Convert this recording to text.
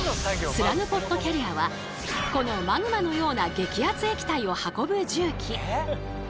スラグポットキャリアはこのマグマのような激アツ液体を運ぶ重機。